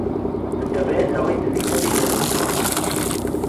دەبێت ئەوەی دزیوتە بیگەڕێنیتەوە.